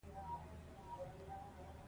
غنم د افغانستان په ټولو ولایتونو کې کرل کیږي.